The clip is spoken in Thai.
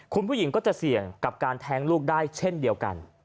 คุณผู้หญิงก็จะเสี่ยงกับการแท้งลูกได้เช่นเดียวกัน